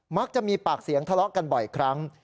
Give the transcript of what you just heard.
มักจะมีปากเสียงทะเลาะกันบ่อยครั้ง